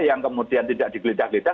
yang kemudian tidak dikelejah kelejah